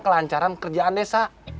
kelancaran kerjaan desa